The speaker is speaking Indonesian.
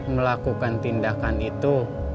melakukan tindakan itu